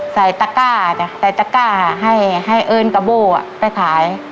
ใส่ตะก้าใส่ตะก้าให้ให้เอิญกับโบ่อ่ะไปขาย